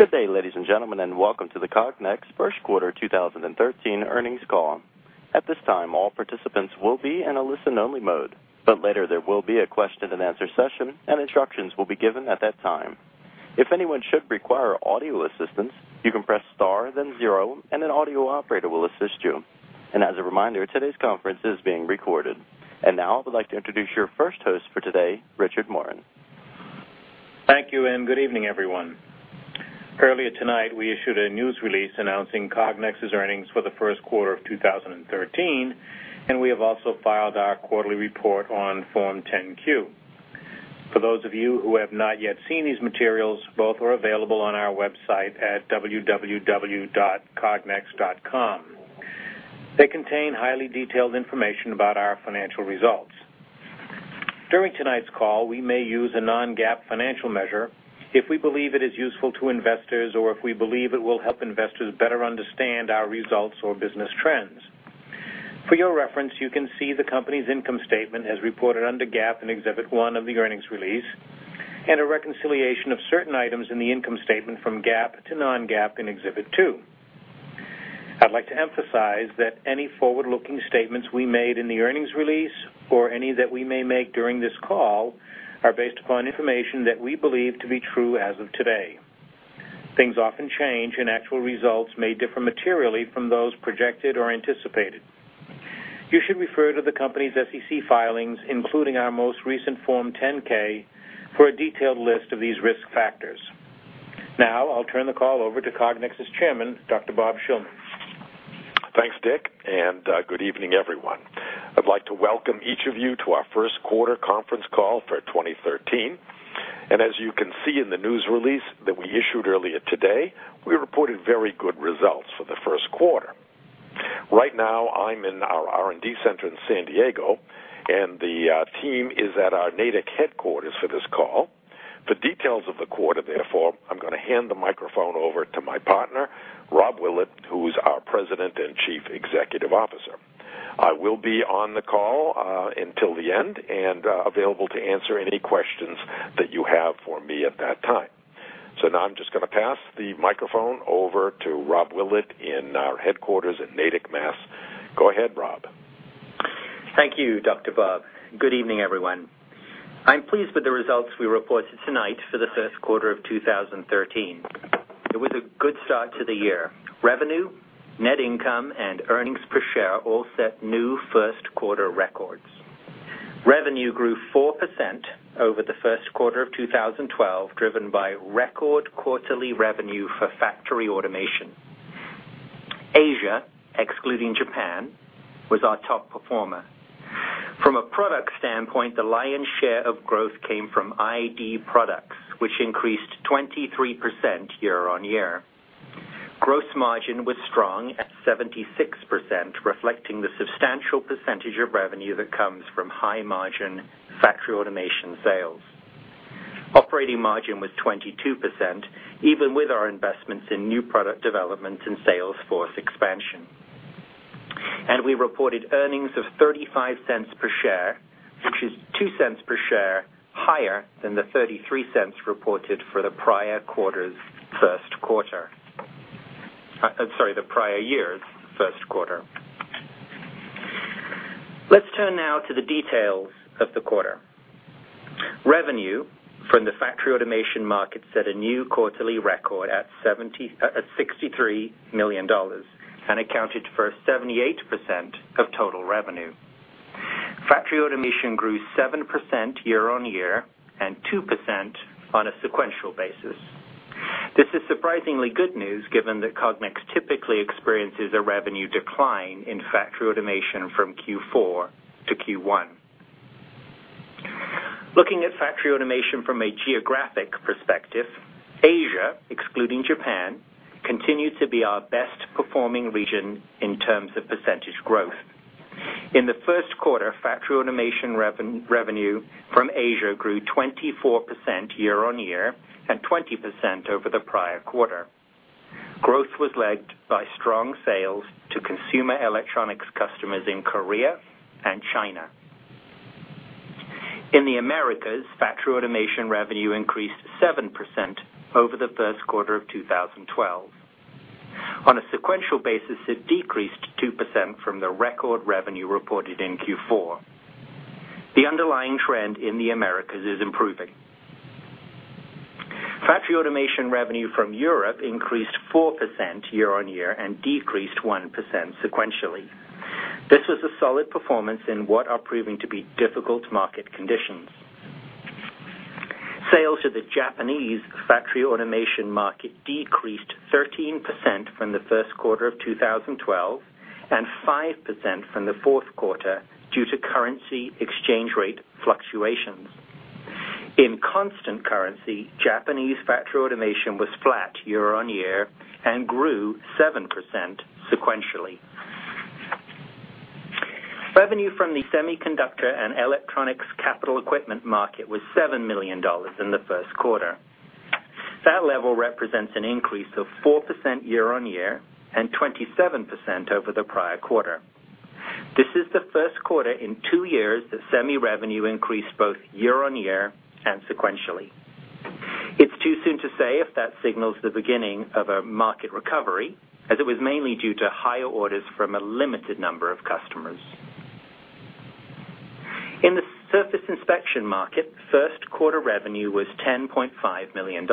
Good day, ladies and gentlemen, and welcome to the Cognex first quarter 2013 earnings call. At this time, all participants will be in a listen-only mode, but later there will be a question and answer session, and instructions will be given at that time. If anyone should require audio assistance, you can press star, then zero, and an audio operator will assist you. As a reminder, today's conference is being recorded. Now, I would like to introduce your first host for today, Richard Morin. Thank you, and good evening, everyone. Earlier tonight, we issued a news release announcing Cognex's earnings for the first quarter of 2013, and we have also filed our quarterly report on Form 10-Q. For those of you who have not yet seen these materials, both are available on our website at www.cognex.com. They contain highly detailed information about our financial results. During tonight's call, we may use a non-GAAP financial measure if we believe it is useful to investors or if we believe it will help investors better understand our results or business trends. For your reference, you can see the company's income statement as reported under GAAP in Exhibit one of the earnings release, and a reconciliation of certain items in the income statement from GAAP to non-GAAP in Exhibit two. I'd like to emphasize that any forward-looking statements we made in the earnings release or any that we may make during this call, are based upon information that we believe to be true as of today. Things often change, and actual results may differ materially from those projected or anticipated. You should refer to the company's SEC filings, including our most recent Form 10-K, for a detailed list of these risk factors. Now, I'll turn the call over to Cognex's chairman, Dr. Bob Shillman. Thanks, Dick, and good evening, everyone. I'd like to welcome each of you to our first quarter conference call for 2013. As you can see in the news release that we issued earlier today, we reported very good results for the first quarter. Right now, I'm in our R&D center in San Diego, and the team is at our Natick headquarters for this call. For details of the quarter, therefore, I'm going to hand the microphone over to my partner, Rob Willett, who is our President and Chief Executive Officer. I will be on the call until the end and available to answer any questions that you have for me at that time. So now I'm just going to pass the microphone over to Rob Willett in our headquarters at Natick, Massachusetts. Go ahead, Rob. Thank you, Dr. Bob. Good evening, everyone. I'm pleased with the results we reported tonight for the first quarter of 2013. It was a good start to the year. Revenue, net income, and earnings per share all set new first-quarter records. Revenue grew 4% over the first quarter of 2012, driven by record quarterly revenue for factory automation. Asia, excluding Japan, was our top performer. From a product standpoint, the lion's share of growth came from ID products, which increased 23% year-on-year. Gross margin was strong at 76%, reflecting the substantial percentage of revenue that comes from high-margin factory automation sales. Operating margin was 22%, even with our investments in new product development and sales force expansion. We reported earnings of $0.35 per share, which is $0.02 per share higher than the $0.33 reported for the prior year's first quarter. Let's turn now to the details of the quarter. Revenue from the factory automation market set a new quarterly record at $63 million and accounted for 78% of total revenue. Factory automation grew 7% year-on-year and 2% on a sequential basis. This is surprisingly good news, given that Cognex typically experiences a revenue decline in factory automation from Q4 to Q1. Looking at factory automation from a geographic perspective, Asia, excluding Japan, continued to be our best-performing region in terms of percentage growth. In the first quarter, factory automation revenue from Asia grew 24% year-on-year and 20% over the prior quarter. Growth was led by strong sales to consumer electronics customers in Korea and China. In the Americas, factory automation revenue increased 7% over the first quarter of 2012. On a sequential basis, it decreased 2% from the record revenue reported in Q4. The underlying trend in the Americas is improving. Factory automation revenue from Europe increased 4% year-on-year and decreased 1% sequentially. This was a solid performance in what are proving to be difficult market conditions. Sales to the Japanese factory automation market decreased 13% from the first quarter of 2012, and 5% from the fourth quarter due to currency exchange rate fluctuations. In constant currency, Japanese factory automation was flat year-on-year and grew 7% sequentially. Revenue from the semiconductor and electronics capital equipment market was $7 million in the first quarter. That level represents an increase of 4% year-over-year and 27% over the prior quarter. This is the first quarter in two years that semi revenue increased both year-over-year and sequentially. It's too soon to say if that signals the beginning of a market recovery, as it was mainly due to higher orders from a limited number of customers. In the surface inspection market, first quarter revenue was $10.5 million.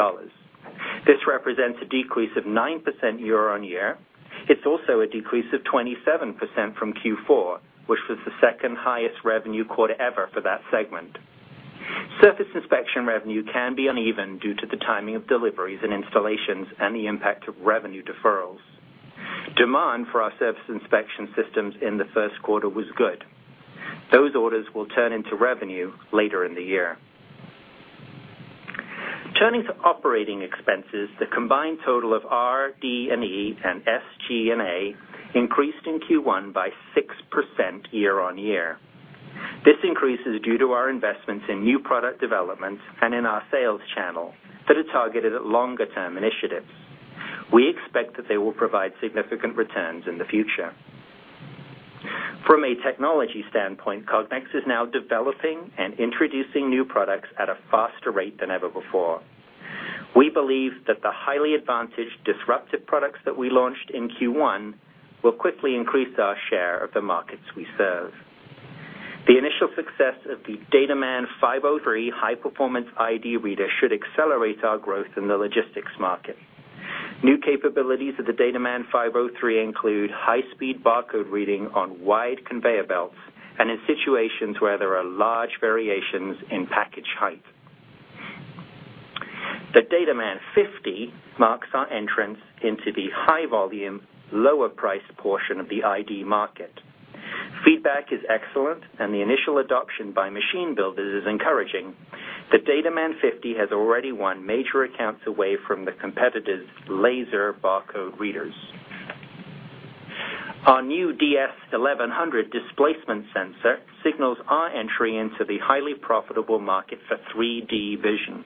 This represents a decrease of 9% year-over-year. It's also a decrease of 27% from Q4, which was the second highest revenue quarter ever for that segment. Surface inspection revenue can be uneven due to the timing of deliveries and installations and the impact of revenue deferrals. Demand for our surface inspection systems in the first quarter was good. Those orders will turn into revenue later in the year. Turning to operating expenses, the combined total of RD&E and SG&A increased in Q1 by 6% year-on-year. This increase is due to our investments in new product development and in our sales channel that are targeted at longer-term initiatives. We expect that they will provide significant returns in the future. From a technology standpoint, Cognex is now developing and introducing new products at a faster rate than ever before. We believe that the highly advantaged, disruptive products that we launched in Q1 will quickly increase our share of the markets we serve. The initial success of the DataMan 503 high-performance ID reader should accelerate our growth in the logistics market. New capabilities of the DataMan 503 include high-speed barcode reading on wide conveyor belts and in situations where there are large variations in package height. The DataMan 50 marks our entrance into the high-volume, lower-priced portion of the ID market. Feedback is excellent, and the initial adoption by machine builders is encouraging. The DataMan 50 has already won major accounts away from the competitors' laser barcode readers. Our new DS1100 Displacement Sensor signals our entry into the highly profitable market for 3D vision.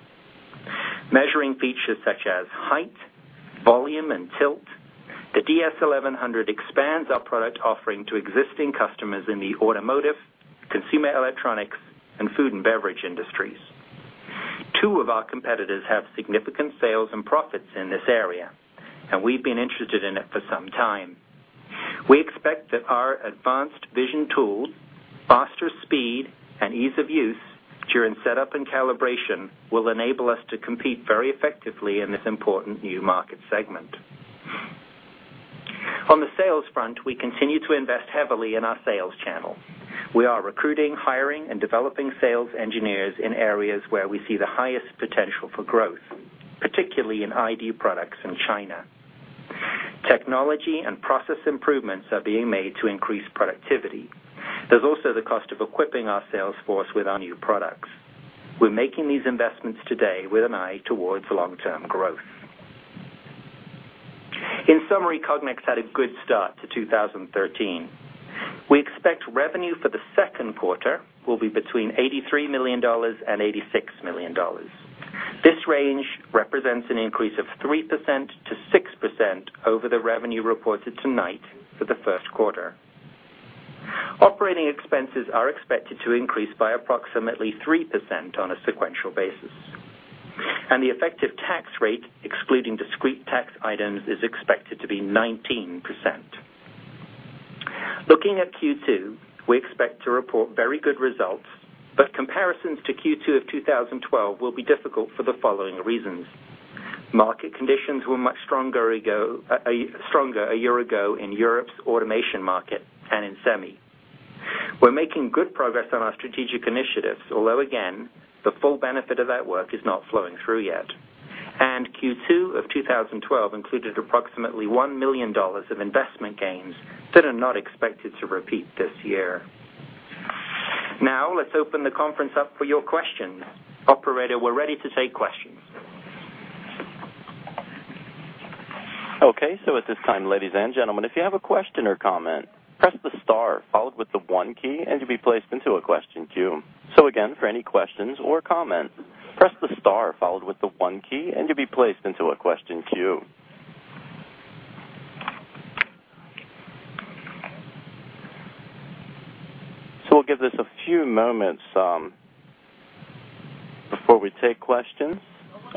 Measuring features such as height, volume, and tilt, the DS1100 expands our product offering to existing customers in the automotive, consumer electronics, and food and beverage industries. Two of our competitors have significant sales and profits in this area, and we've been interested in it for some time. We expect that our advanced vision tools, faster speed, and ease of use during setup and calibration will enable us to compete very effectively in this important new market segment. On the sales front, we continue to invest heavily in our sales channel. We are recruiting, hiring, and developing sales engineers in areas where we see the highest potential for growth, particularly in ID products in China. Technology and process improvements are being made to increase productivity. There's also the cost of equipping our sales force with our new products. We're making these investments today with an eye towards long-term growth. In summary, Cognex had a good start to 2013. We expect revenue for the second quarter will be between $83 million and $86 million. This range represents an increase of 3%-6% over the revenue reported tonight for the first quarter. Operating expenses are expected to increase by approximately 3% on a sequential basis, and the effective tax rate, excluding discrete tax items, is expected to be 19%. Looking at Q2, we expect to report very good results, but comparisons to Q2 of 2012 will be difficult for the following reasons. Market conditions were much stronger a year ago in Europe's automation market and in semi. We're making good progress on our strategic initiatives, although again, the full benefit of that work is not flowing through yet. And Q2 of 2012 included approximately $1 million of investment gains that are not expected to repeat this year. Now, let's open the conference up for your questions. Operator, we're ready to take questions. Okay. So at this time, ladies and gentlemen, if you have a question or comment, press the star followed with the one key, and you'll be placed into a question queue. So again, for any questions or comments, press the star followed with the one key, and you'll be placed into a question queue. So we'll give this a few moments before we take questions.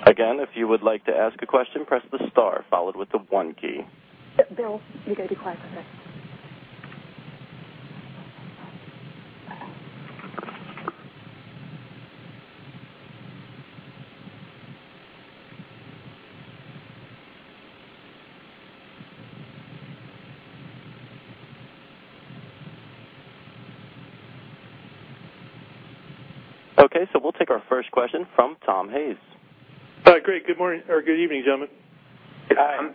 Again, if you would like to ask a question, press the star followed with the one key. Bill, you go to quiet for this. Okay, so we'll take our first question from Tom Hayes. Hi, great. Good morning or good evening, gentlemen. Hi, Tom.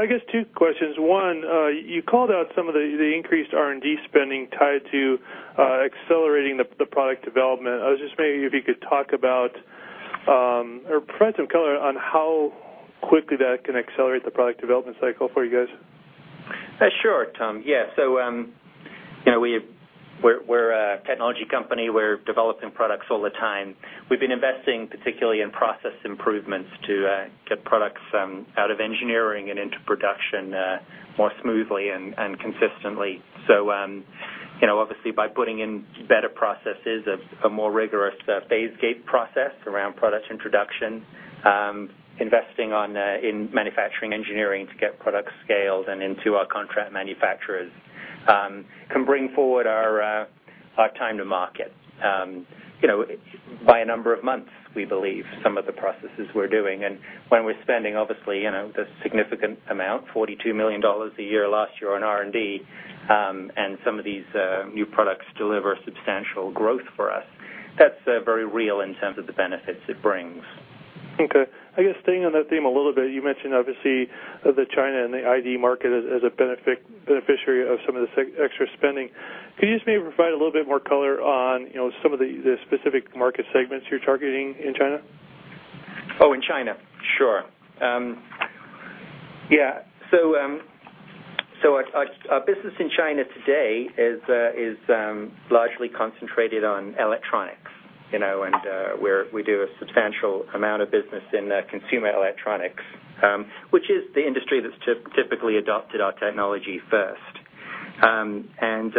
I guess two questions. One, you called out some of the increased R&D spending tied to accelerating the product development. I was just wondering if you could talk about or provide some color on how quickly that can accelerate the product development cycle for you guys? Sure, Tom. Yeah, so we're a technology company. We're developing products all the time. We've been investing, particularly in process improvements to get products out of engineering and into production more smoothly and consistently. So, you know, obviously, by putting in better processes, a more rigorous phase gate process around product introduction, investing in manufacturing engineering to get products scaled and into our contract manufacturers, can bring forward our time to market, you know, by a number of months, we believe some of the processes we're doing. And when we're spending, obviously, you know, the significant amount, $42 million a year, last year on R&D, and some of these new products deliver substantial growth for us, that's very real in terms of the benefits it brings. Okay. I guess staying on that theme a little bit, you mentioned obviously the China and the ID market as a beneficiary of some of the extra spending. Could you just maybe provide a little bit more color on, you know, some of the specific market segments you're targeting in China? Oh, in China? Sure. Yeah. So, our business in China today is largely concentrated on electronics, you know, and we do a substantial amount of business in consumer electronics, which is the industry that's typically adopted our technology first. And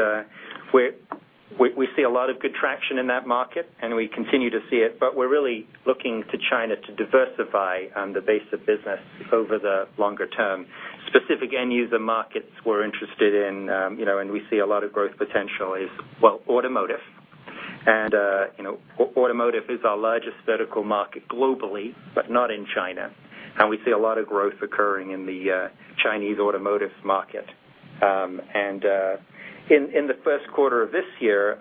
we see a lot of good traction in that market, and we continue to see it, but we're really looking to China to diversify the base of business over the longer term. Specific end user markets we're interested in, you know, and we see a lot of growth potential is, well, automotive. And, you know, automotive is our largest vertical market globally, but not in China. And we see a lot of growth occurring in the Chinese automotive market. In the first quarter of this year,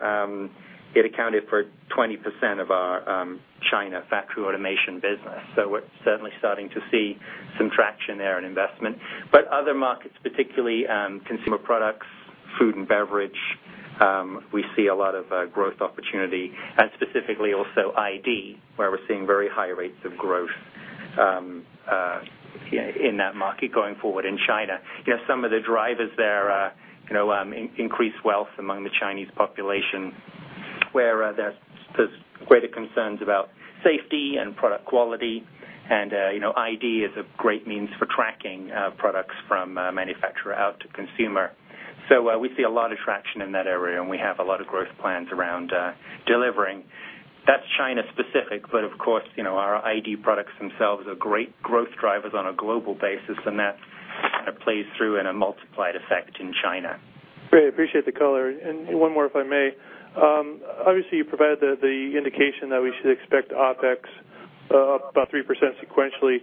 it accounted for 20% of our China factory automation business. So we're certainly starting to see some traction there in investment. But other markets, particularly consumer products, food and beverage, we see a lot of growth opportunity, and specifically also ID, where we're seeing very high rates of growth in that market going forward in China. You know, some of the drivers there are, you know, increased wealth among the Chinese population, where there's greater concerns about safety and product quality, and you know, ID is a great means for tracking products from manufacturer out to consumer. So we see a lot of traction in that area, and we have a lot of growth plans around delivering. That's China-specific, but of course, you know, our ID products themselves are great growth drivers on a global basis, and that kind of plays through in a multiplied effect in China. Great. Appreciate the color. And one more, if I may. Obviously, you provided the indication that we should expect OpEx up about 3% sequentially.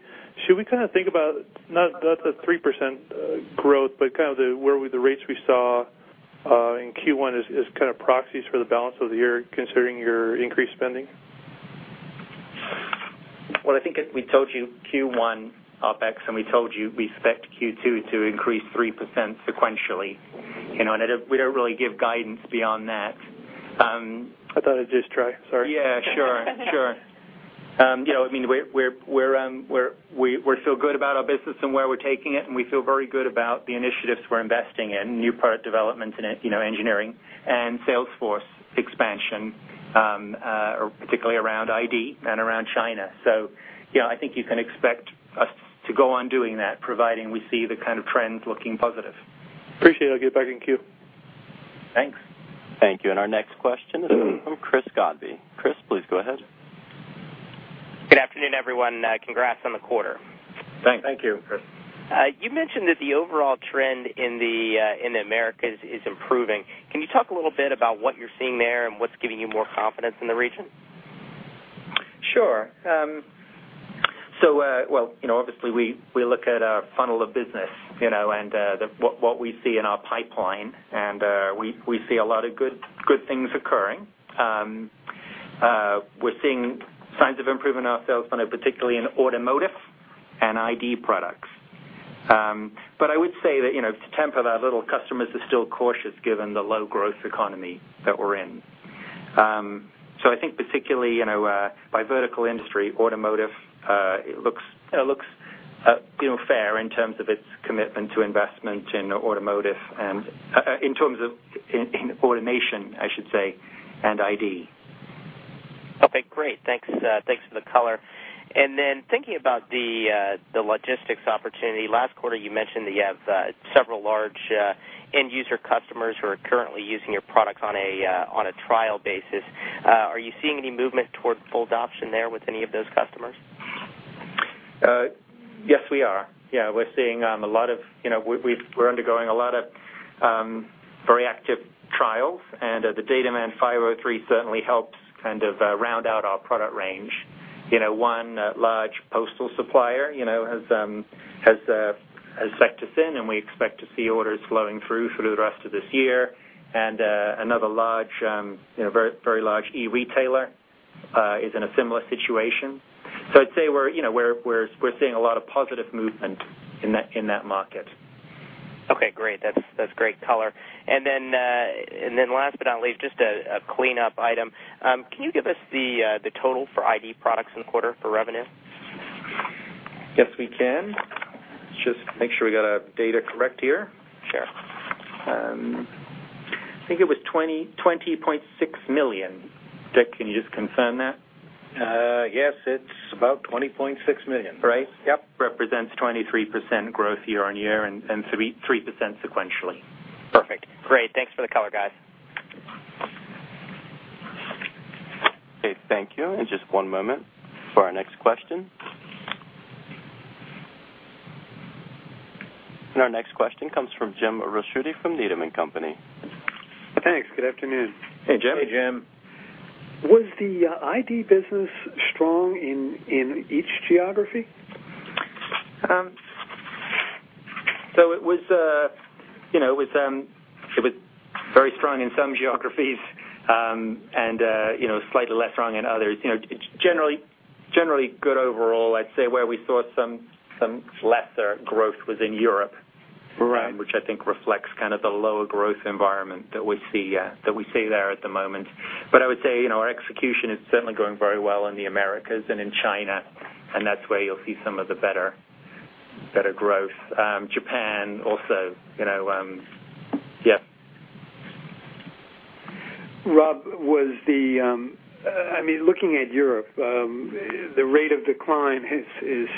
Should we kind of think about not the 3% growth, but kind of the rates we saw in Q1 as kind of proxies for the balance of the year, considering your increased spending? Well, I think we told you Q1 OpEx, and we told you we expect Q2 to increase 3% sequentially. You know, and I, we don't really give guidance beyond that. I thought I'd just try. Sorry. Yeah, sure, sure. You know, I mean, we feel good about our business and where we're taking it, and we feel very good about the initiatives we're investing in, new product development and, you know, engineering and sales force expansion, particularly around ID and around China. So yeah, I think you can expect us to go on doing that, providing we see the kind of trends looking positive. Appreciate it. I'll get back in queue. Thanks. Thank you. Our next question is from Chris Goode. Chris, please go ahead. Good afternoon, everyone. Congrats on the quarter. Thank you, Chris. Thank you. You mentioned that the overall trend in the Americas is improving. Can you talk a little bit about what you're seeing there and what's giving you more confidence in the region? Sure. So, well, you know, obviously, we look at our funnel of business, you know, and what we see in our pipeline, and we see a lot of good things occurring. We're seeing signs of improvement ourselves, particularly in automotive and ID products. But I would say that, you know, to temper that a little, customers are still cautious given the low growth economy that we're in. So I think particularly, you know, by vertical industry, automotive, it looks, you know, fair in terms of its commitment to investment in automotive and in terms of in automation, I should say, and ID. Okay, great. Thanks, thanks for the color. And then thinking about the logistics opportunity, last quarter, you mentioned that you have several large end user customers who are currently using your products on a trial basis. Are you seeing any movement towards full adoption there with any of those customers? Yes, we are. Yeah, we're seeing a lot of, you know, we're undergoing a lot of very active trials, and the DataMan 503 certainly helps kind of round out our product range. You know, one large postal supplier, you know, has sucked us in, and we expect to see orders flowing through for the rest of this year. And another large, you know, very, very large e-retailer is in a similar situation. So I'd say we're, you know, seeing a lot of positive movement in that market. Okay, great. That's great color. And then last but not least, just a cleanup item. Can you give us the total for ID products in the quarter for revenue? Yes, we can. Just make sure we got our data correct here. Sure. I think it was $20.6 million. Dick, can you just confirm that? Yes, it's about $20.6 million. Right? Yep. Represents 23% growth year-on-year and 3% sequentially. Perfect. Great, thanks for the color, guys. Okay, thank you. Just one moment for our next question. Our next question comes from Jim Ricchiuti from Needham & Company. Thanks. Good afternoon. Hey, Jim. Hey, Jim. Was the ID business strong in each geography? So it was, you know, it was very strong in some geographies, and, you know, slightly less strong in others. You know, it's generally good overall. I'd say where we saw some lesser growth was in Europe- Right. which I think reflects kind of the lower growth environment that we see, that we see there at the moment. But I would say, you know, our execution is certainly going very well in the Americas and in China, and that's where you'll see some of the better, better growth. Japan, also, you know, yeah. Rob, I mean, looking at Europe, the rate of decline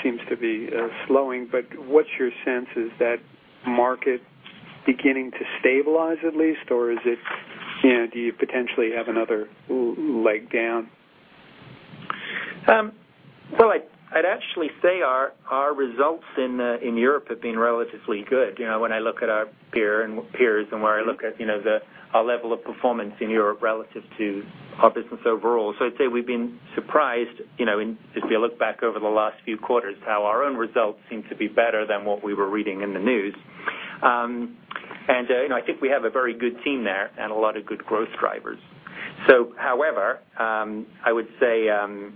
seems to be slowing, but what's your sense? Is that market beginning to stabilize at least, or is it, you know, do you potentially have another leg down? Well, I'd, I'd actually say our, our results in Europe have been relatively good. You know, when I look at our peer and peers and where I look at, you know, the, our level of performance in Europe relative to our business overall. So I'd say we've been surprised, you know, in, if we look back over the last few quarters, how our own results seem to be better than what we were reading in the news. And you know, I think we have a very good team there and a lot of good growth drivers. So however, I would say, you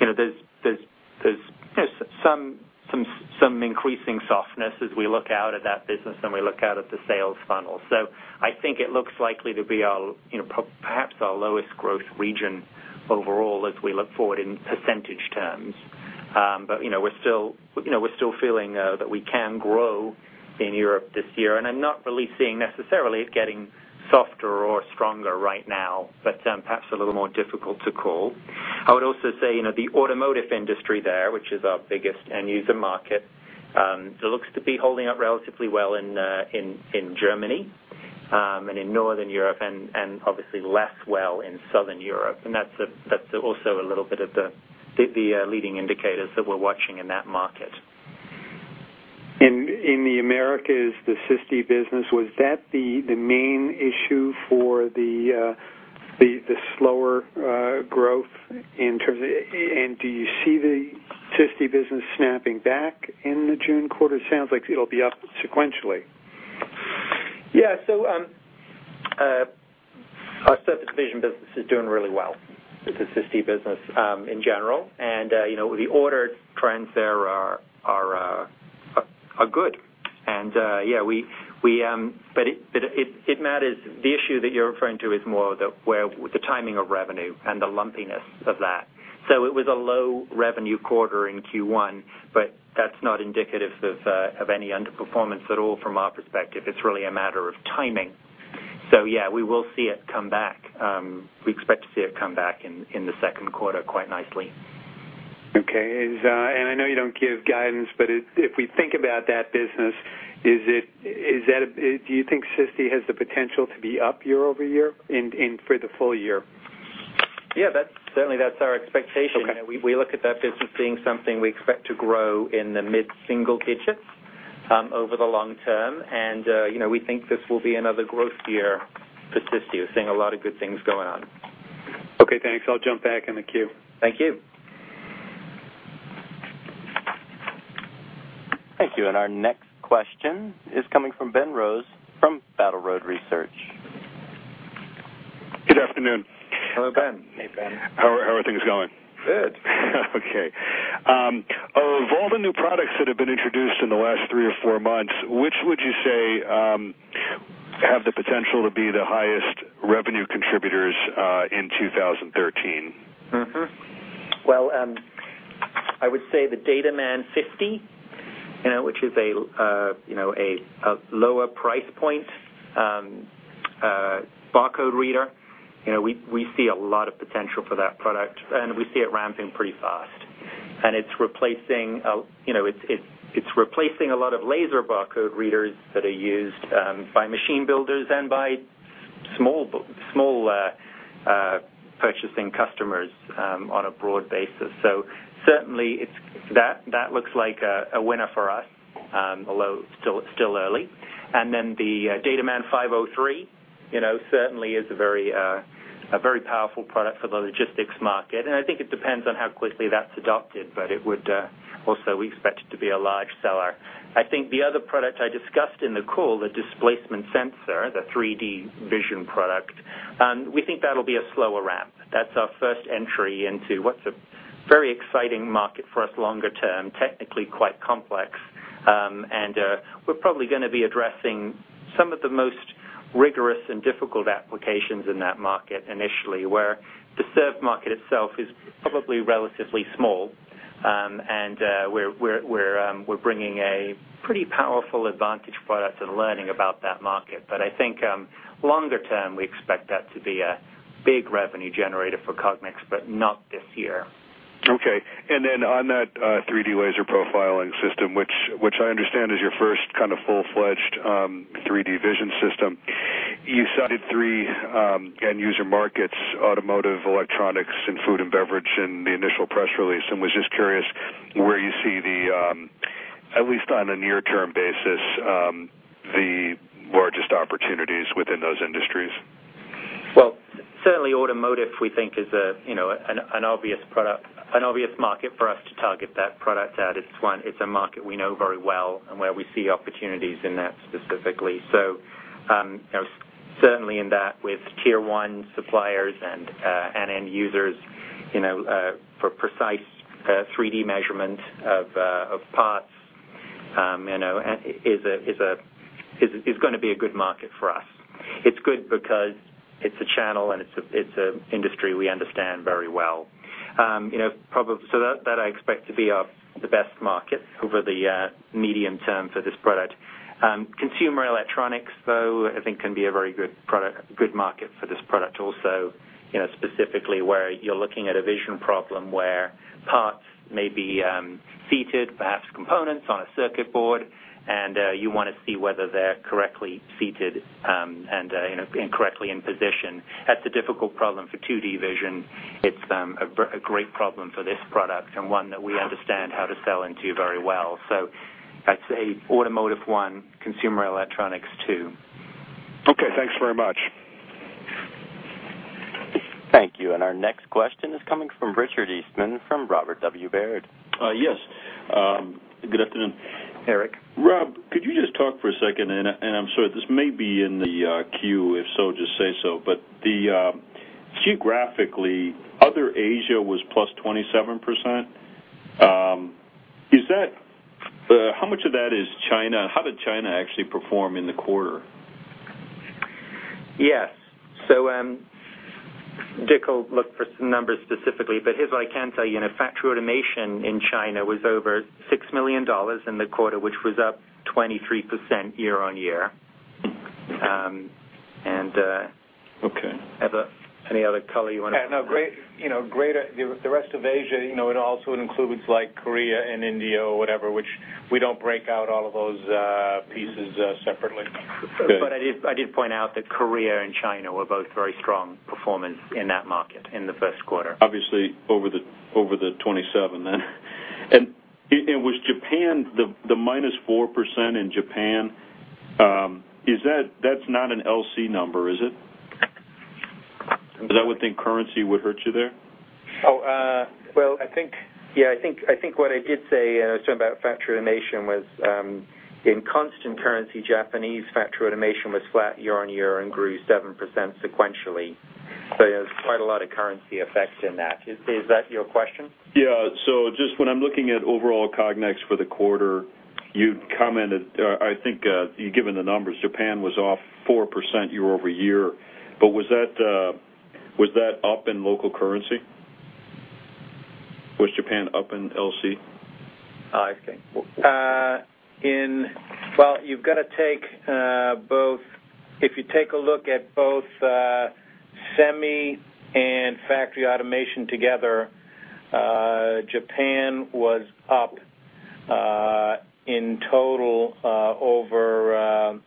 know, there's some increasing softness as we look out at that business and we look out at the sales funnel. So I think it looks likely to be our, you know, perhaps our lowest growth region overall as we look forward in percentage terms. But, you know, we're still, you know, we're still feeling that we can grow in Europe this year, and I'm not really seeing necessarily it getting softer or stronger right now, but, perhaps a little more difficult to call. I would also say, you know, the automotive industry there, which is our biggest end user market, it looks to be holding up relatively well in Germany, and in Northern Europe, and obviously less well in Southern Europe. And that's a, that's also a little bit of the leading indicators that we're watching in that market. In the Americas, was the Systy business the main issue for the slower growth in terms of...? And do you see the Systy business snapping back in the June quarter? It sounds like it'll be up sequentially. Yeah, so, our surface division business is doing really well. It's a surface business, in general, and, you know, the order trends there are good. And, yeah, but it matters. The issue that you're referring to is more the timing of revenue and the lumpiness of that. So it was a low revenue quarter in Q1, but that's not indicative of any underperformance at all from our perspective. It's really a matter of timing. So yeah, we will see it come back. We expect to see it come back in the second quarter quite nicely. Okay. Is, and I know you don't give guidance, but if, if we think about that business, is it, is that a, Do you think Systy has the potential to be up year-over-year in, in, for the full year? Yeah, that's, certainly that's our expectation. Okay. We look at that business being something we expect to grow in the mid-single digits over the long term. And you know, we think this will be another growth year for Cognex. We're seeing a lot of good things going on. Okay, thanks. I'll jump back in the queue. Thank you. Thank you. And our next question is coming from Ben Rose, from Battle Road Research. Good afternoon. Hello, Ben. Hey, Ben. How are things going? Good. Okay. Of all the new products that have been introduced in the last three or four months, which would you say have the potential to be the highest revenue contributors in 2013? Mm-hmm. Well, I would say the DataMan 50, you know, which is a lower price point barcode reader. You know, we see a lot of potential for that product, and we see it ramping pretty fast. And it's replacing, you know, it's replacing a lot of laser barcode readers that are used by machine builders and by small purchasing customers on a broad basis. So certainly it's, That looks like a winner for us, although still, it's still early. And then the DataMan 503, you know, certainly is a very a very powerful product for the logistics market, and I think it depends on how quickly that's adopted, but it would also, we expect it to be a large seller. I think the other product I discussed in the call, the displacement sensor, the 3D vision product, we think that'll be a slower ramp. That's our first entry into what's a very exciting market for us longer term, technically quite complex. We're probably gonna be addressing some of the most rigorous and difficult applications in that market initially, where the served market itself is probably relatively small. We're bringing a pretty powerful advantage product and learning about that market. But I think, longer term, we expect that to be a big revenue generator for Cognex, but not this year. Okay. And then on that 3D laser profiling system, which I understand is your first kind of full-fledged 3D vision system, you cited three end user markets, automotive, electronics, and food and beverage in the initial press release, and was just curious where you see the, at least on a near-term basis, the largest opportunities within those industries? Well, certainly automotive, we think is a, you know, an obvious market for us to target that product at. It's a market we know very well and where we see opportunities in that specifically. So, you know, certainly in that, with Tier one suppliers and end users, you know, for precise 3D measurement of parts, you know, is gonna be a good market for us. It's good because it's a channel and it's an industry we understand very well. You know, so that I expect to be our, the best market over the medium term for this product. Consumer electronics, though, I think can be a very good product, good market for this product also, you know, specifically where you're looking at a vision problem where parts may be seated, perhaps components on a circuit board, and you want to see whether they're correctly seated, and you know, and correctly in position. That's a difficult problem for 2D vision. It's a great problem for this product and one that we understand how to sell into very well. So I'd say automotive one, consumer electronics two. Okay, thanks very much. Thank you. Our next question is coming from Richard Eastman from Robert W. Baird. Yes, good afternoon. Hey. Rob, could you just talk for a second, and I'm sorry, this may be in the queue. If so, just say so. But geographically, other Asia was +27%. Is that how much of that is China? How did China actually perform in the quarter? Yes. So, Dick will look for some numbers specifically, but here's what I can tell you. In factory automation in China was over $6 million in the quarter, which was up 23% year-on-year. And, Okay. Ever, any other color you wanna add? Yeah, no, great, you know, the rest of Asia, you know, it also includes like Korea and India or whatever, which we don't break out all of those pieces separately. Good. I did, I did point out that Korea and China were both very strong performance in that market in the first quarter. Obviously, over the 27 then. And was Japan the -4% in Japan? Is that, that's not an LC number, is it? Because I would think currency would hurt you there. Well, I think, yeah, I think what I did say, and I was talking about factory automation, was in constant currency, Japanese factory automation was flat year-on-year and grew 7% sequentially. So yeah, there's quite a lot of currency effect in that. Is that your question? Yeah. So just when I'm looking at overall Cognex for the quarter, you commented, I think, you've given the numbers, Japan was off 4% year-over-year. But was that, was that up in local currency? Was Japan up in LC? I think, in Well, you've got to take both. If you take a look at both, semi and factory automation together, Japan was up, in total, over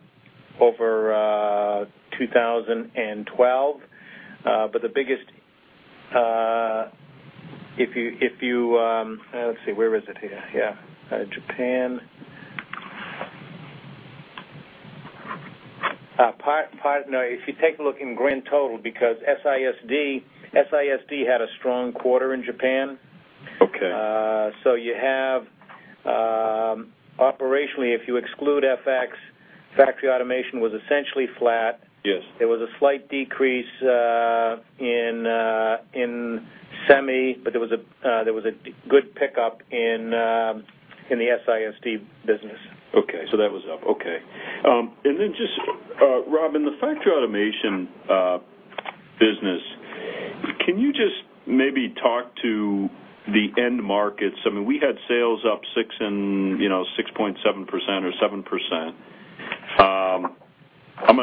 2012. But the biggest, if you, if you, let's see, where is it here? Yeah, Japan. Part, part-- now, if you take a look in grand total, because SISD, SISD had a strong quarter in Japan. Okay. You have, operationally, if you exclude FX, factory automation was essentially flat. Yes. There was a slight decrease in semi, but there was a good pickup in the SISD business. Okay. So that was up. Okay. And then just, Rob, in the factory automation business, can you just maybe talk to the end markets? I mean, we had sales up six and, you know, 6.7% or 7%. I'm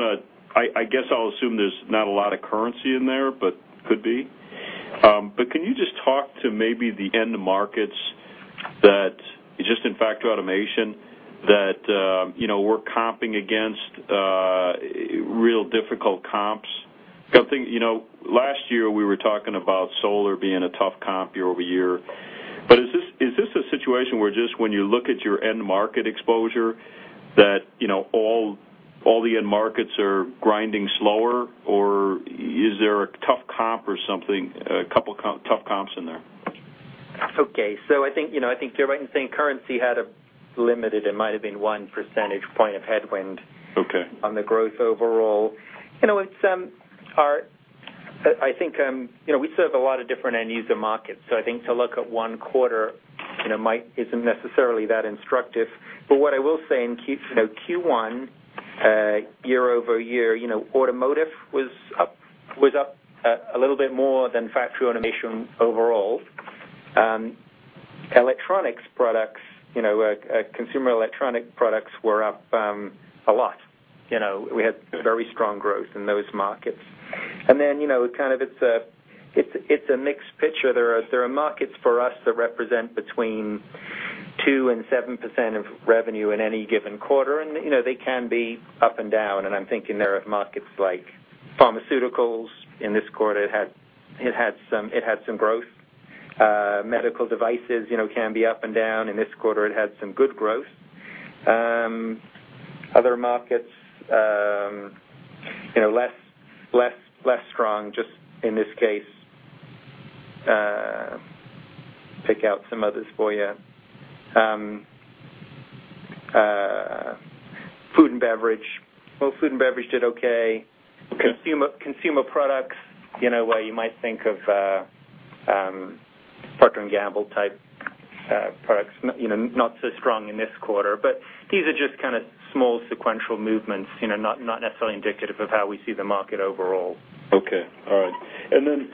gonna guess I'll assume there's not a lot of currency in there, but could be. But can you just talk to maybe the end markets that just in factory automation, that, you know, we're comping against real difficult comps? Because I think, you know, last year we were talking about solar being a tough comp year-over-year. Is this a situation where just when you look at your end market exposure, that you know all the end markets are grinding slower, or is there a tough comp or something, a couple tough comps in there? Okay. So I think, you know, I think you're right in saying currency had a limited, it might have been 1 percentage point of headwind- Okay on the growth overall. You know, it's, I think, you know, we serve a lot of different end user markets, so I think to look at one quarter, you know, might isn't necessarily that instructive. But what I will say in Q1, you know, year-over-year, you know, automotive was up a little bit more than factory automation overall. Electronics products, you know, consumer electronic products were up a lot, you know, we had very strong growth in those markets. And then, you know, kind of it's a mixed picture. There are markets for us that represent between 2% and 7% of revenue in any given quarter, and, you know, they can be up and down, and I'm thinking there of markets like pharmaceuticals. In this quarter, it had some growth. Medical devices, you know, can be up and down. In this quarter, it had some good growth. Other markets, you know, less strong, just in this case, pick out some others for you. Food and beverage. Well, food and beverage did okay. Consumer products, you know, where you might think of, Procter & Gamble type products, you know, not so strong in this quarter, but these are just kind of small sequential movements, you know, not necessarily indicative of how we see the market overall. Okay. All right. And then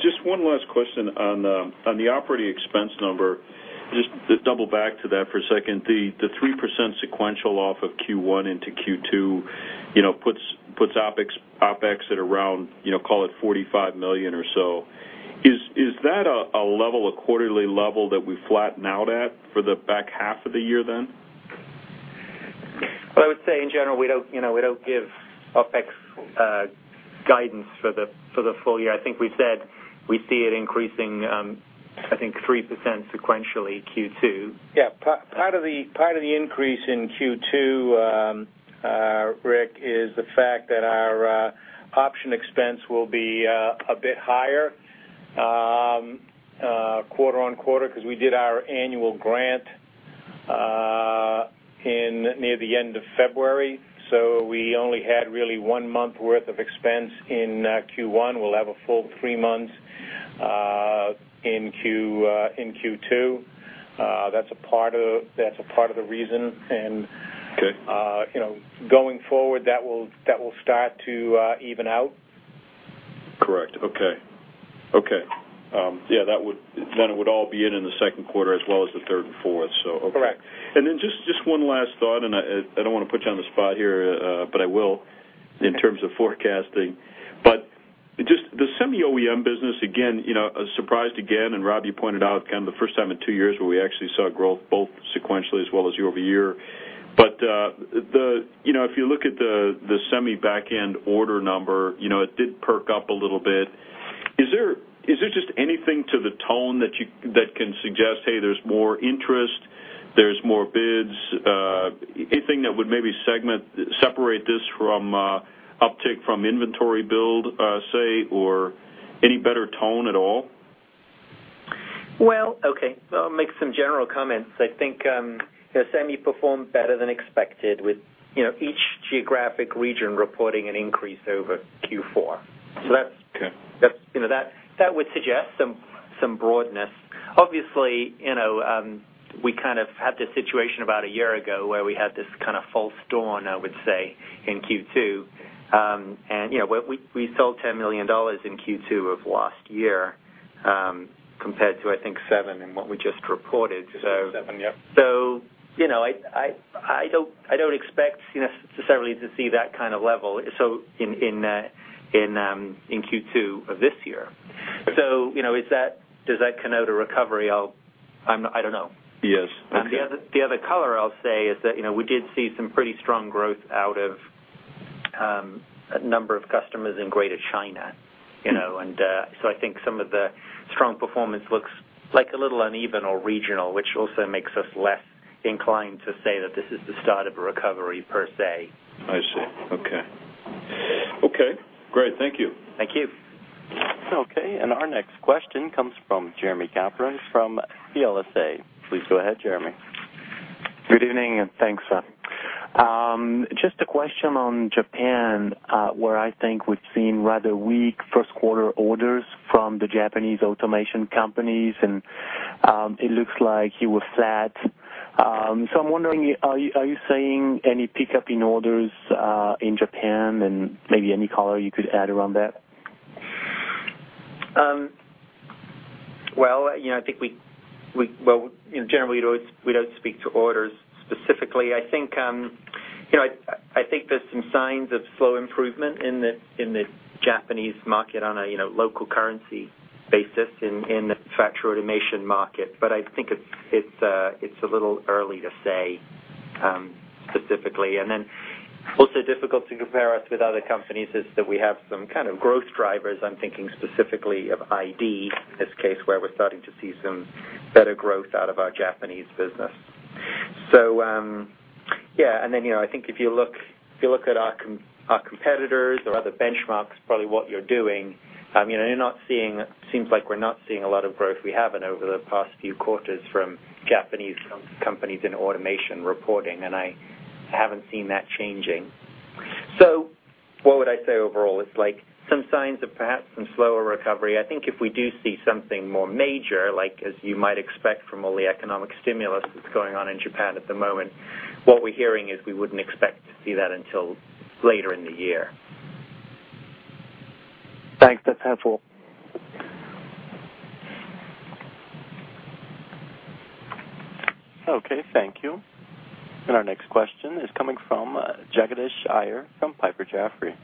just one last question on the operating expense number. Just to double back to that for a second. The 3% sequential off of Q1 into Q2, you know, puts OpEx at around, you know, call it $45 million or so. Is that a level, a quarterly level that we flatten out at for the back half of the year, then? Well, I would say in general, we don't, you know, we don't give OpEx guidance for the full year. I think we said we see it increasing, I think 3% sequentially Q2. Yeah. Part of the increase in Q2, Rick, is the fact that our option expense will be a bit higher quarter-over-quarter, 'cause we did our annual grant in near the end of February. So we only had really one month worth of expense in Q1. We'll have a full three months in Q2. That's a part of, that's a part of the reason. And- Okay. You know, going forward, that will, that will start to even out. Correct. Okay. Okay. Yeah, that would. Then it would all be in the second quarter as well as the third and fourth, so okay. Correct. And then just one last thought, and I don't want to put you on the spot here, but I will, in terms of forecasting. But just the Semi OEM business, again, you know, surprised again, and Rob, you pointed out, kind of the first time in two years where we actually saw growth, both sequentially as well as year-over-year. But, you know, if you look at the Semi back end order number, you know, it did perk up a little bit. Is there just anything to the tone that you can suggest, hey, there's more interest, there's more bids? Anything that would maybe segment, separate this from, uptick from inventory build, say, or any better tone at all? Well, okay, I'll make some general comments. I think, you know, Semi performed better than expected with, you know, each geographic region reporting an increase over Q4. Okay. So that's, you know, that would suggest some broadness. Obviously, you know, we kind of had this situation about a year ago, where we had this kind of false dawn, I would say, in Q2. And, you know, we sold $10 million in Q2 of last year, compared to, I think, $7 million in what we just reported, so- Seven, yep. So, you know, I don't expect, you know, necessarily to see that kind of level, so in Q2 of this year. So, you know, is that, does that connote a recovery? I'll, I'm not, I don't know. Yes. Okay. The other color I'll say is that, you know, we did see some pretty strong growth out of a number of customers in Greater China, you know, and so I think some of the strong performance looks like a little uneven or regional, which also makes us less inclined to say that this is the start of a recovery per se. I see. Okay. Okay, great. Thank you. Thank you. Okay, and our next question comes from Jeremie Capron from CLSA. Please go ahead, Jeremie. Good evening, and thanks. Just a question on Japan, where I think we've seen rather weak first quarter orders from the Japanese automation companies, and it looks like you were flat. So I'm wondering, are you seeing any pickup in orders in Japan and maybe any color you could add around that? Well, you know, I think we well, you know, generally, we don't speak to orders specifically. I think you know, I think there's some signs of slow improvement in the Japanese market on a you know, local currency basis in the factory automation market. But I think it's a little early to say specifically. And then also difficult to compare us with other companies is that we have some kind of growth drivers. I'm thinking specifically of ID, this case, where we're starting to see some better growth out of our Japanese business. So, yeah, and then, you know, I think if you look, if you look at our competitors or other benchmarks, probably what you're doing, I mean, you're not seeing, seems like we're not seeing a lot of growth we have in over the past few quarters from Japanese companies in automation reporting, and I haven't seen that changing. So what would I say overall? It's like some signs of perhaps some slower recovery. I think if we do see something more major, like as you might expect from all the economic stimulus that's going on in Japan at the moment, what we're hearing is we wouldn't expect to see that until later in the year. Thanks, that's helpful. Okay, thank you. Our next question is coming from Jagadish Iyer from Piper Jaffray.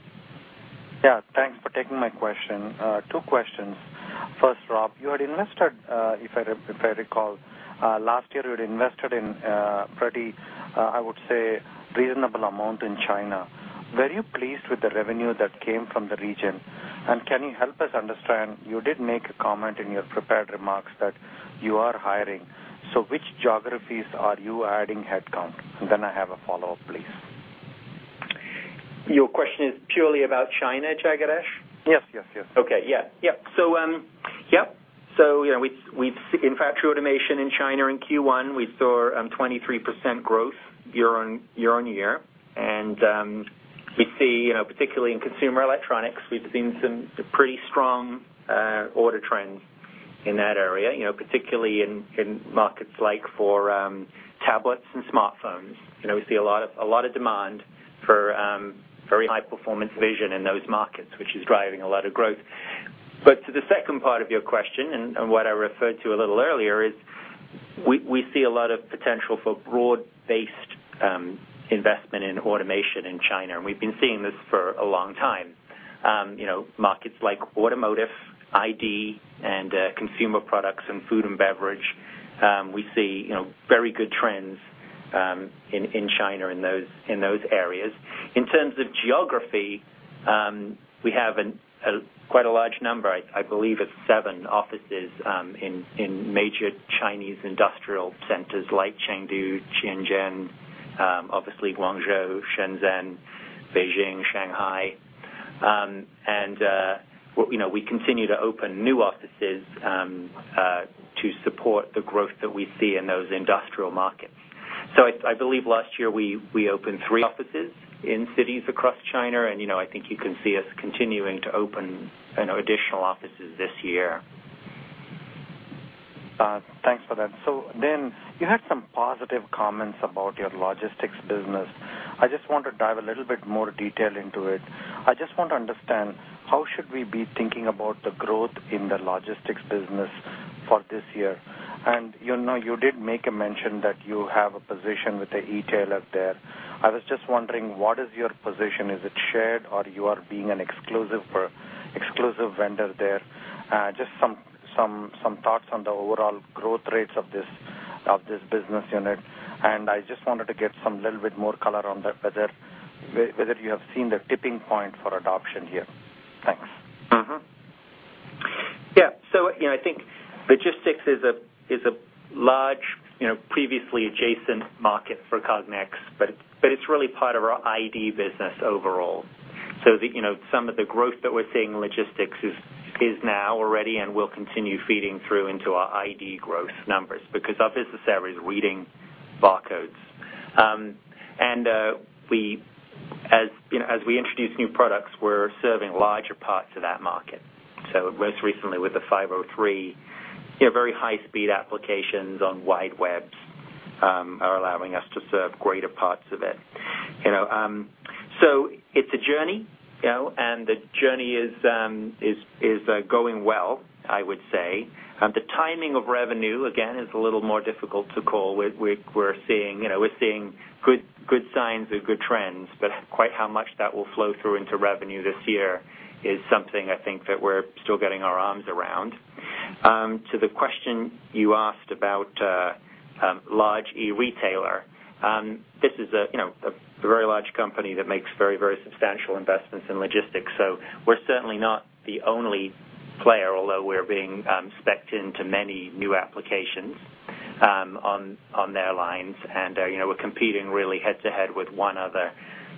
Yeah, thanks for taking my question. Two questions. First, Rob, you had invested, if I, if I recall, last year, you had invested in, pretty, I would say, reasonable amount in China. Were you pleased with the revenue that came from the region? And can you help us understand, you did make a comment in your prepared remarks that you are hiring, so which geographies are you adding headcount? And then I have a follow-up, please. Your question is purely about China, Jagadish? Yes, yes, yes. Okay. Yeah, yeah. So, yep, so, you know, we, we've in factory automation in China, in Q1, we saw 23% growth year-over-year. And, we see, you know, particularly in consumer electronics, we've seen some pretty strong order trends in that area, you know, particularly in, in markets like for tablets and smartphones. You know, we see a lot of, a lot of demand for very high performance vision in those markets, which is driving a lot of growth. But to the second part of your question, and, and what I referred to a little earlier, is we, we see a lot of potential for broad-based investment in automation in China, and we've been seeing this for a long time. You know, markets like automotive, ID, and consumer products and food and beverage, we see, you know, very good trends in China in those areas. In terms of geography, we have quite a large number. I believe it's seven offices in major Chinese industrial centers like Chengdu, Shenzhen, obviously Guangzhou, Shenzhen, Beijing, Shanghai. And you know, we continue to open new offices to support the growth that we see in those industrial markets. So I believe last year we opened three offices in cities across China, and you know, I think you can see us continuing to open additional offices this year. Thanks for that. So then you had some positive comments about your logistics business. I just want to dive a little bit more detail into it. I just want to understand, how should we be thinking about the growth in the logistics business for this year? And, you know, you did make a mention that you have a position with an e-tailer there. I was just wondering, what is your position? Is it shared or you are being an exclusive vendor there? Just some thoughts on the overall growth rates of this business unit. And I just wanted to get some little bit more color on that, whether you have seen the tipping point for adoption here. Thanks. Mm-hmm. Yeah, so, you know, I think logistics is a large, you know, previously adjacent market for Cognex, but it's really part of our ID business overall. So the, you know, some of the growth that we're seeing in logistics is now already and will continue feeding through into our ID growth numbers, because our business area is reading barcodes. And we, as, you know, as we introduce new products, we're serving larger parts of that market. So most recently with the 503, you know, very high speed applications on wide webs are allowing us to serve greater parts of it. You know, so it's a journey, you know, and the journey is going well, I would say. The timing of revenue, again, is a little more difficult to call. We're seeing, you know, good signs and good trends, but quite how much that will flow through into revenue this year is something I think that we're still getting our arms around. To the question you asked about large e-retailer, this is, you know, a very large company that makes very, very substantial investments in logistics, so we're certainly not the only player, although we're being spec'd into many new applications on their lines. And, you know, we're competing really head to head with one other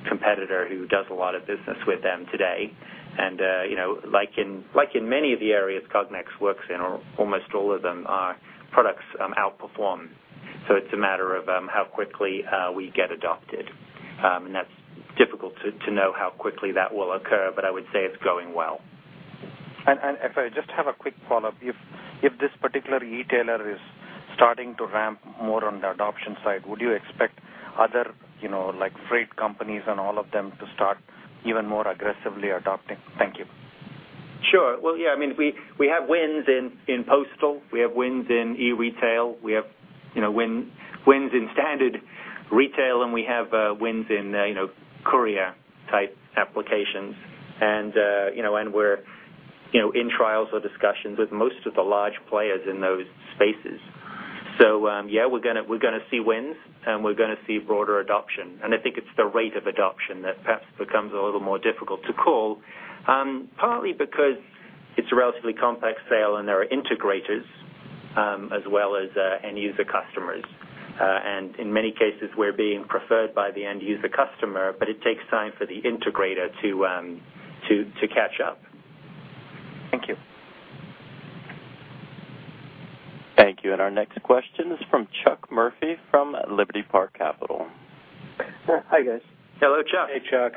competitor who does a lot of business with them today. And, you know, like in many of the areas Cognex works in, or almost all of them, our products outperform. So it's a matter of how quickly we get adopted. That's difficult to know how quickly that will occur, but I would say it's going well. If I just have a quick follow-up, if this particular e-tailer is starting to ramp more on the adoption side, would you expect other, you know, like freight companies and all of them to start even more aggressively adopting? Thank you. Sure. Well, yeah, I mean, we have wins in postal. We have wins in e-retail. We have, you know, wins in standard retail, and we have wins in, you know, courier-type applications. And, you know, and we're, you know, in trials or discussions with most of the large players in those spaces. So, yeah, we're gonna see wins, and we're gonna see broader adoption. And I think it's the rate of adoption that perhaps becomes a little more difficult to call, partly because it's a relatively complex sale, and there are integrators, as well as end user customers. And in many cases, we're being preferred by the end user customer, but it takes time for the integrator to catch up. Thank you. Our next question is from Chuck Murphy from Liberty Park Capital. Hi, guys. Hello, Chuck. Hey, Chuck.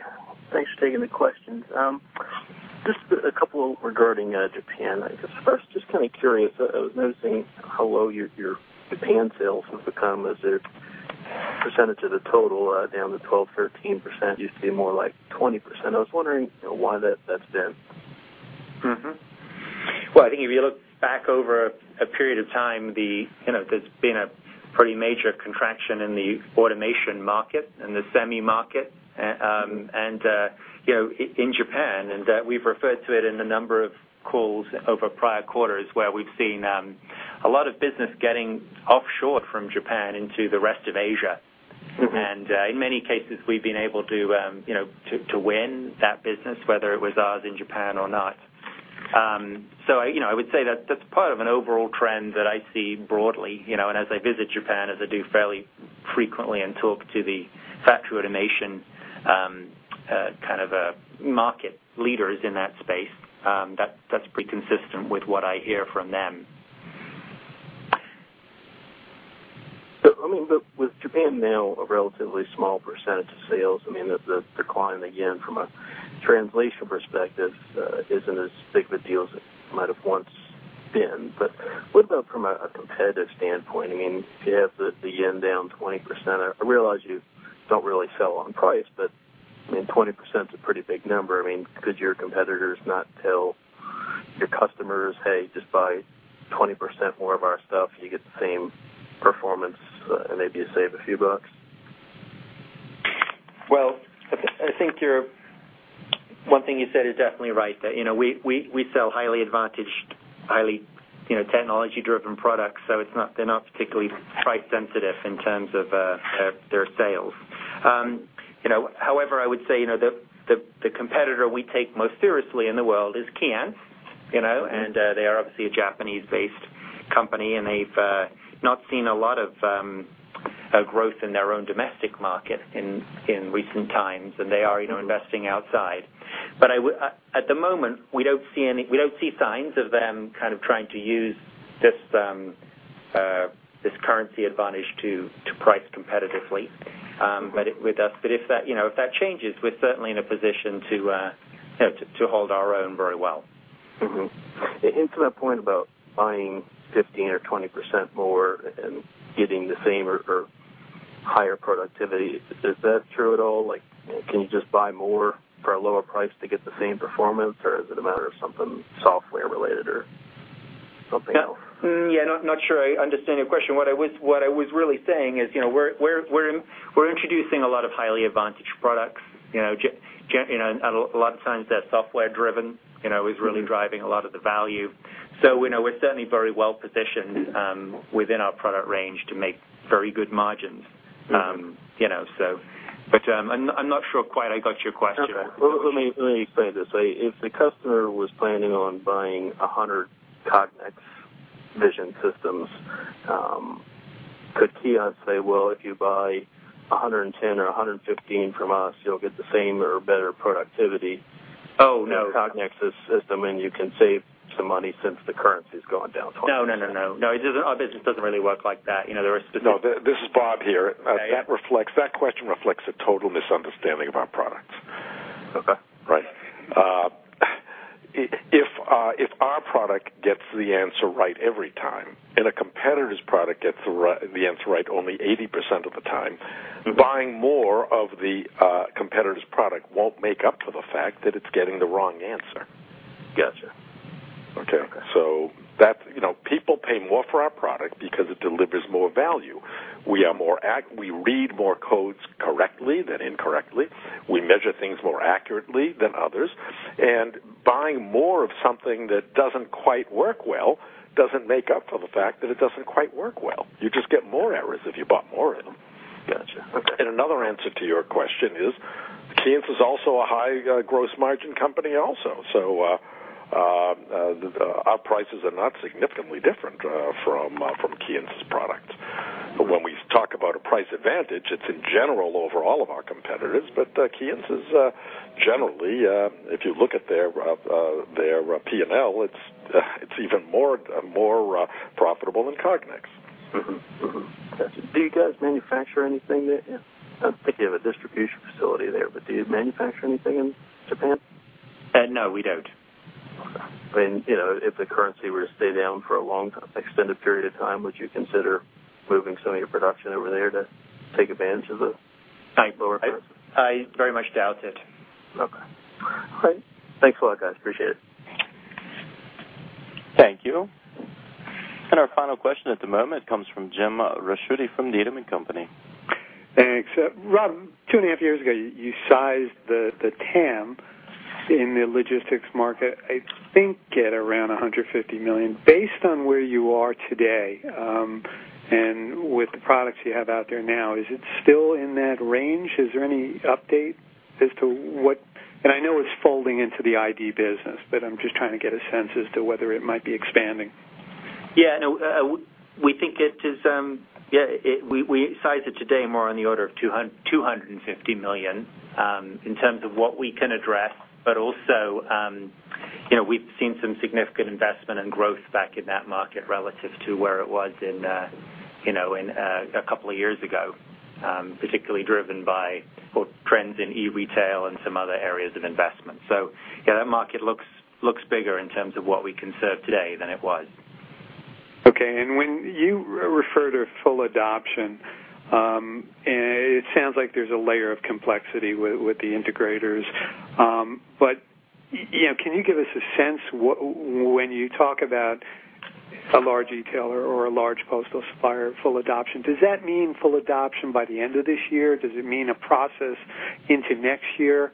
Thanks for taking the questions. Just a couple regarding Japan. I guess first, just kind of curious, I was noticing how low your Japan sales have become as a percentage of the total, down to 12%-13%. Used to be more like 20%. I was wondering why that's been? Mm-hmm. Well, I think if you look back over a period of time, you know, there's been a pretty major contraction in the automation market and the semi market, and, you know, in Japan, and we've referred to it in a number of calls over prior quarters, where we've seen a lot of business getting offshore from Japan into the rest of Asia. Mm-hmm. In many cases, we've been able to, you know, to win that business, whether it was ours in Japan or not. So, you know, I would say that that's part of an overall trend that I see broadly, you know, and as I visit Japan, as I do fairly frequently, and talk to the factory automation kind of market leaders in that space, that's pretty consistent with what I hear from them. So, I mean, but with Japan now a relatively small percentage of sales, I mean, the decline, again, from a translation perspective, isn't as big of a deal as it might have once been. But what about from a competitive standpoint? I mean, you have the yen down 20%. I realize you don't really sell on price, but I mean, 20%'s a pretty big number. I mean, could your competitors not tell your customers, "Hey, just buy 20% more of our stuff, you get the same performance, and maybe you save a few bucks? Well, I think you're, one thing you said is definitely right, that, you know, we sell highly advantaged, highly, you know, technology-driven products, so it's not, they're not particularly price sensitive in terms of their sales. You know, however, I would say, you know, the competitor we take most seriously in the world is KEYENCE, you know, and they are obviously a Japanese-based company, and they've not seen a lot of growth in their own domestic market in recent times, and they are, you know, investing outside. But I would, at the moment, we don't see signs of them kind of trying to use this currency advantage to price competitively, but it with us. But if that changes, you know, we're certainly in a position to, you know, to hold our own very well. Mm-hmm. And to that point about buying 15% or 20% more and getting the same or, or higher productivity, is, is that true at all? Like, can you just buy more for a lower price to get the same performance, or is it a matter of something software related or something else? Yeah, I'm not sure I understand your question. What I was really saying is, you know, we're introducing a lot of highly advantaged products. You know, and a lot of times they're software driven, you know, is really driving a lot of the value. So, you know, we're certainly very well positioned within our product range to make very good margins. Mm-hmm. You know, so, but, I'm not sure quite I got your question. Okay. Let me, let me explain this. So if the customer was planning on buying 100 Cognex vision systems, could KEYENCE say, "Well, if you buy 110 or 115 from us, you'll get the same or better productivity- Oh, no. -than Cognex's system, and you can save some money since the currency's gone down 20%? No, no, no, no. No, it just, our business doesn't really work like that. You know, there are specific- No, this is Bob here. Hey. That reflects, that question reflects a total misunderstanding of our products. Okay. Right. If our product gets the answer right every time, and a competitor's product gets the right answer right only 80% of the time, buying more of the competitor's product won't make up for the fact that it's getting the wrong answer. Gotcha. Okay? Okay. So that's, you know, people pay more for our product because it delivers more value. We are more accurate—we read more codes correctly than incorrectly. We measure things more accurately than others, and buying more of something that doesn't quite work well doesn't make up for the fact that it doesn't quite work well. You just get more errors if you bought more of them. Gotcha. Okay. Another answer to your question is, KEYENCE is also a high gross margin company also. So, our prices are not significantly different from KEYENCE's product. When we talk about a price advantage, it's in general over all of our competitors, but KEYENCE is generally, if you look at their P&L, it's even more profitable than Cognex. Mm-hmm. Mm-hmm. Do you guys manufacture anything there? I'm thinking of a distribution facility there, but do you manufacture anything in Japan? No, we don't. Okay. Then, you know, if the currency were to stay down for a long time, extended period of time, would you consider moving some of your production over there to take advantage of the lower price? I very much doubt it. Okay. All right. Thanks a lot, guys. Appreciate it. Thank you. Our final question at the moment comes from Jim Ricchiuti from Needham & Company. Thanks. Rob, two and a half years ago, you sized the TAM in the logistics market, I think, at around $150 million. Based on where you are today, and with the products you have out there now, is it still in that range? Is there any update as to what... And I know it's folding into the ID business, but I'm just trying to get a sense as to whether it might be expanding. Yeah, no, we think it is, yeah, we size it today more on the order of $250 million in terms of what we can address, but also. You know, we've seen some significant investment and growth back in that market relative to where it was in, you know, in a couple of years ago, particularly driven by both trends in e-retail and some other areas of investment. So, yeah, that market looks bigger in terms of what we can serve today than it was. Okay. And when you refer to full adoption, it sounds like there's a layer of complexity with, with the integrators. But, you know, can you give us a sense, what, when you talk about a large retailer or a large postal supplier, full adoption, does that mean full adoption by the end of this year? Does it mean a process into next year?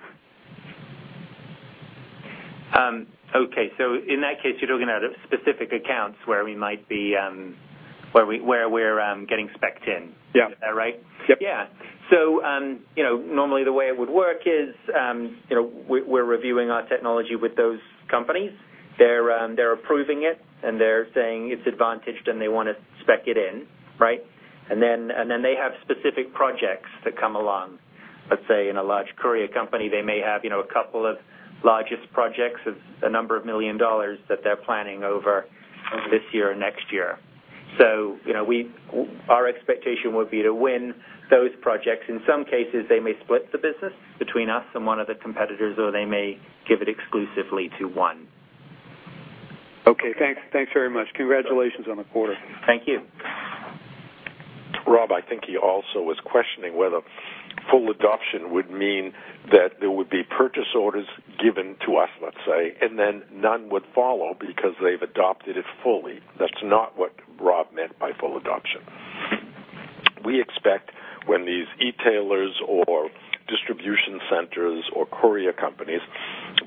Okay, so in that case, you're looking at specific accounts where we might be getting spec'd in. Yeah. Is that right? Yep. Yeah. So, you know, normally the way it would work is, you know, we're, we're reviewing our technology with those companies. They're, they're approving it, and they're saying it's advantaged, and they want to spec it in, right? And then, and then they have specific projects that come along. Let's say, in a large courier company, they may have, you know, a couple of largest projects of a number of million dollars that they're planning over this year or next year. So, you know, we-- our expectation would be to win those projects. In some cases, they may split the business between us and one of the competitors, or they may give it exclusively to one. Okay, thanks. Thanks very much. Congratulations on the quarter. Thank you. Rob, I think he also was questioning whether full adoption would mean that there would be purchase orders given to us, let's say, and then none would follow because they've adopted it fully. That's not what Rob meant by full adoption. We expect when these e-tailers or distribution centers or courier companies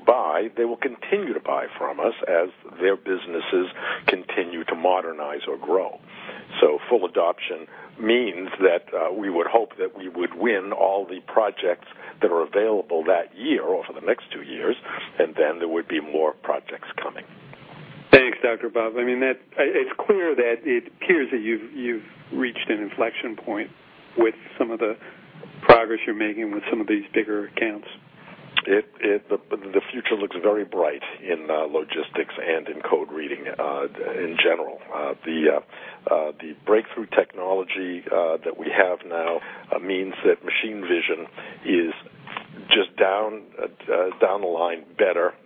buy, they will continue to buy from us as their businesses continue to modernize or grow. So full adoption means that we would hope that we would win all the projects that are available that year or for the next two years, and then there would be more projects coming. Thanks, Dr. Bob. I mean, it's clear that it appears that you've reached an inflection point with some of the progress you're making with some of these bigger accounts. The future looks very bright in logistics and in code reading in general. The breakthrough technology that we have now means that machine vision is just down the line better than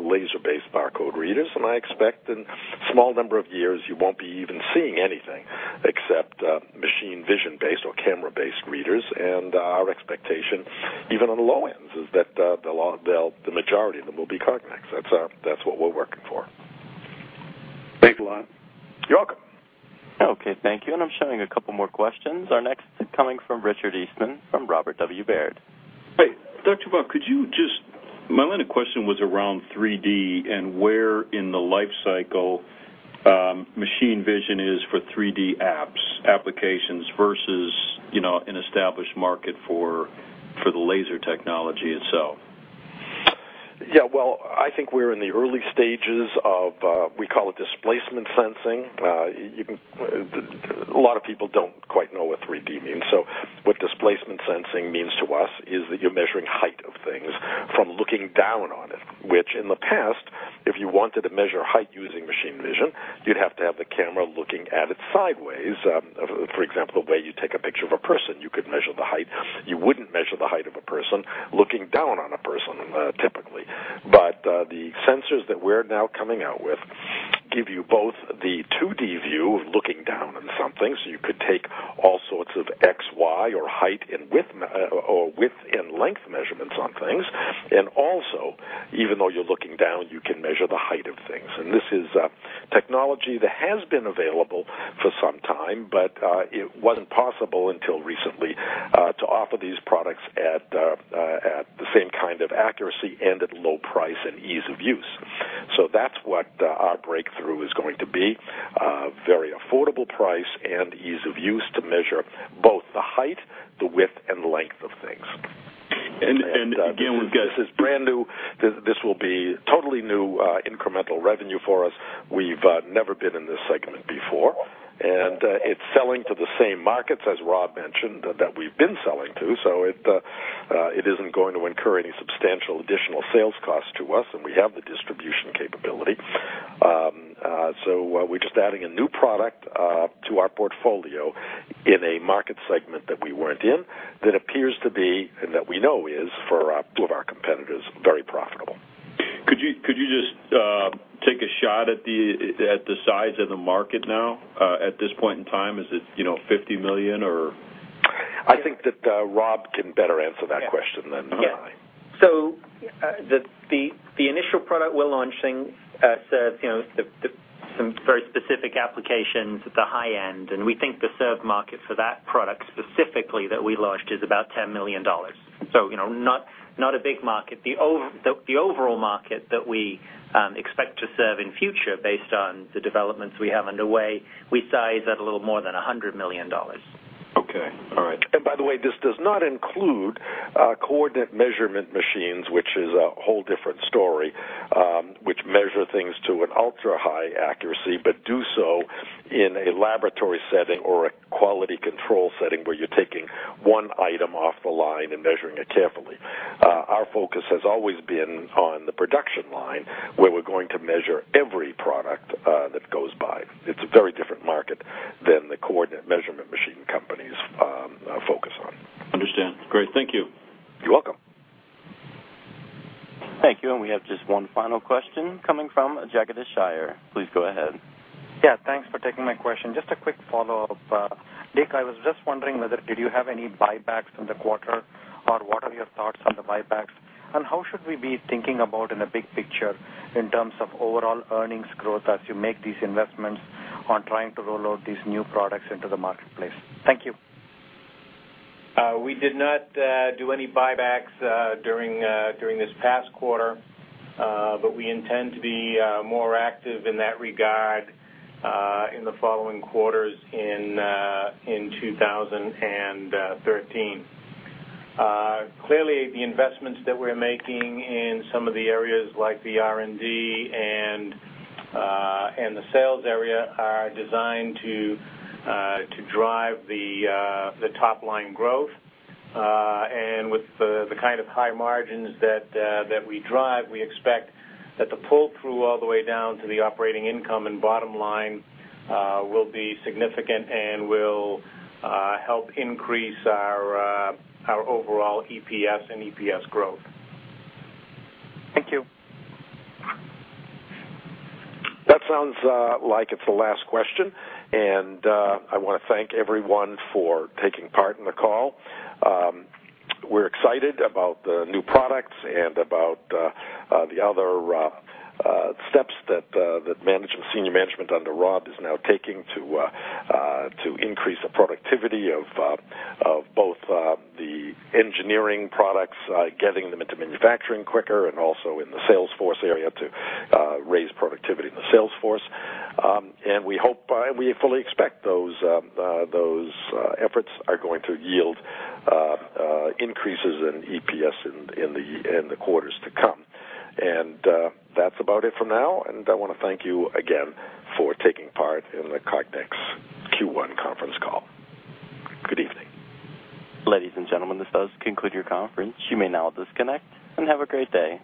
laser-based barcode readers. And I expect in a small number of years, you won't be even seeing anything except machine vision-based or camera-based readers. And our expectation, even on the low end, is that the majority of them will be Cognex. That's our—that's what we're working for. Thanks a lot. You're welcome. Okay, thank you. I'm showing a couple more questions. Our next coming from Richard Eastman from Robert W. Baird. Hey, Dr. Bob, could you just. My line of question was around 3D and where in the life cycle machine vision is for 3D apps, applications, versus, you know, an established market for the laser technology itself. Yeah, well, I think we're in the early stages of, we call it displacement sensing. A lot of people don't quite know what 3D means. So what displacement sensing means to us is that you're measuring height of things from looking down on it, which in the past, if you wanted to measure height using machine vision, you'd have to have the camera looking at it sideways. For example, the way you take a picture of a person, you could measure the height. You wouldn't measure the height of a person looking down on a person, typically. But, the sensors that we're now coming out with give you both the 2D view of looking down on something, so you could take all sorts of X, Y, or height and width, or width and length measurements on things. Also, even though you're looking down, you can measure the height of things. This is technology that has been available for some time, but it wasn't possible until recently to offer these products at the same kind of accuracy and at low price and ease of use. That's what our breakthrough is going to be, very affordable price and ease of use to measure both the height, the width, and length of things. And again, we've got- This is brand new. This will be totally new, incremental revenue for us. We've never been in this segment before, and it's selling to the same markets, as Rob mentioned, that we've been selling to, so it isn't going to incur any substantial additional sales costs to us, and we have the distribution capability. So we're just adding a new product to our portfolio in a market segment that we weren't in, that appears to be, and that we know is, for our two of our competitors, very profitable. Could you just take a shot at the size of the market now at this point in time? Is it, you know, $50 million or? I think that, Rob can better answer that question than I. Yeah. So, the initial product we're launching serves, you know, some very specific applications at the high end, and we think the served market for that product, specifically, that we launched, is about $10 million. So, you know, not a big market. The overall market that we expect to serve in future, based on the developments we have underway, we size at a little more than $100 million. Okay. All right. By the way, this does not include coordinate measuring machines, which is a whole different story, which measure things to an ultra-high accuracy, but do so in a laboratory setting or a quality control setting, where you're taking one item off the line and measuring it carefully. Our focus has always been on the production line, where we're going to measure every product that goes by. It's a very different market than the coordinate measuring machine companies focus on. Understand. Great, thank you. You're welcome. Thank you, and we have just one final question coming from Jagadish Iyer. Please go ahead. Yeah, thanks for taking my question. Just a quick follow-up. Dick, I was just wondering whether, did you have any buybacks in the quarter? Or what are your thoughts on the buybacks? And how should we be thinking about in the big picture in terms of overall earnings growth as you make these investments on trying to roll out these new products into the marketplace? Thank you. We did not do any buybacks during this past quarter. But we intend to be more active in that regard in the following quarters in 2013. Clearly, the investments that we're making in some of the areas, like the R&D and the sales area, are designed to drive the top line growth. And with the kind of high margins that we drive, we expect that the pull-through all the way down to the operating income and bottom line will be significant and will help increase our overall EPS and EPS growth. Thank you. That sounds like it's the last question, and I want to thank everyone for taking part in the call. We're excited about the new products and about the other steps that management, senior management under Rob is now taking to increase the productivity of both the engineering products, getting them into manufacturing quicker and also in the sales force area to raise productivity in the sales force. And we hope we fully expect those efforts are going to yield increases in EPS in the quarters to come. And that's about it for now, and I want to thank you again for taking part in the Cognex Q1 conference call. Good evening. Ladies and gentlemen, this does conclude your conference. You may now disconnect and have a great day.